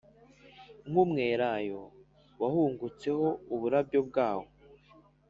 nk’umwelayo wahungutseho uburabyo bwawo